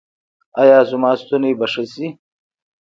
ایا زما ستونی به ښه شي؟